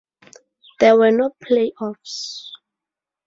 There were no playoffs.